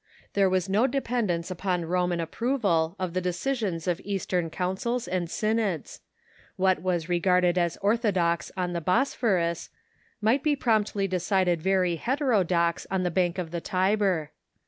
There was no dependence upon Roman apj^roval of the decisions of Eastern councils and synods. What was regarded as orthodox on the Bosphorus might be promptly decided very heterodox on the bank of the Tiber.